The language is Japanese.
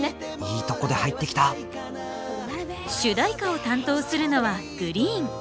いいとこで入ってきた主題歌を担当するのはＧＲｅｅｅｅＮ。